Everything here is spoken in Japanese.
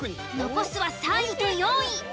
残すは３位と４位。